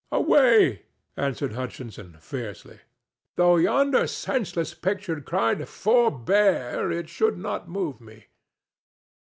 "Away!" answered Hutchinson, fiercely. "Though yonder senseless picture cried 'Forbear!rsquo; it should not move me!"